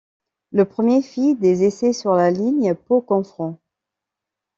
Le premier fit des essais sur la ligne Pau - Canfranc.